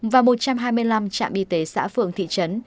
và một trăm hai mươi năm trạm y tế xã phường thị trấn